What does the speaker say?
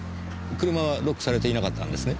車はロックされていなかったんですね？